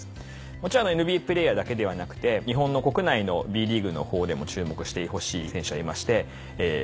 もちろんＮＢＡプレーヤーだけではなくて日本の国内のＢリーグの方でも注目してほしい選手がいまして。